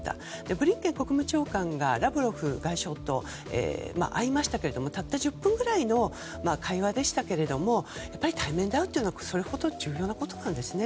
ブリンケン国務長官がラブロフ外相と会いましたけれどもたった１０分ぐらいの会話でしたがやはり対面で会うのはそれほど重要なんですね。